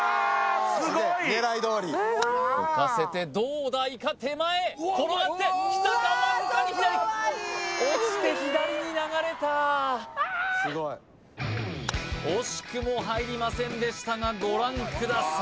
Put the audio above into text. すげえ狙いどおりうわすごい浮かせてどうだイカ手前転がってきたかわずかに左落ちて左に流れたああ惜しくも入りませんでしたがご覧ください